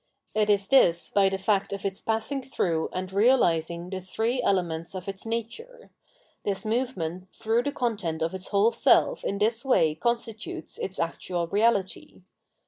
It is this by the fact of its passing through and realising the three elements of its nature : this movement through the content of its whole self in this way con stitutes its actual reality.